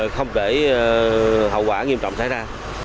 không để hậu quả nghiêm trọng xảy ra